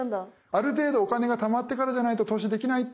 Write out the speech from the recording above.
ある程度お金がたまってからじゃないと投資できないって思ってる人